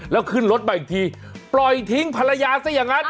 แล้วขึ้นรถมาอีกทีปล่อยทิ้งภรรยาซะอย่างนั้น